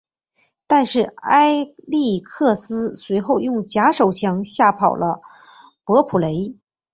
但是艾力克斯随后用假手枪吓跑了伯普雷。